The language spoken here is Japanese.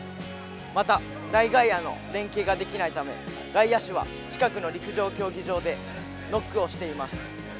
また内外野の連係ができないため外野手は近くの陸上競技場でノックをしています。